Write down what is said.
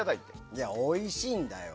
いや、おいしいんだよ。